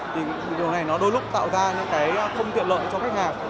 điều này đôi lúc tạo ra những cái không tiện lợi cho khách hàng